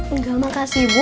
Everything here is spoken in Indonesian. enggak makasih bu